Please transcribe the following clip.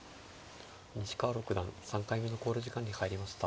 西川六段３回目の考慮時間に入りました。